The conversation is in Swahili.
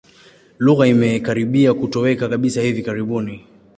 Lugha imekaribia kutoweka kabisa hivi karibuni.